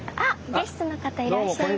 ゲストの方いらっしゃいました。